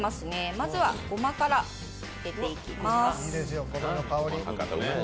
まずはごまから入れていきます。